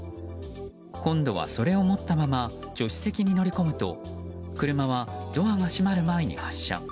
今度はそれを持ったまま助手席に乗り込むと車はドアが閉まる前に発車。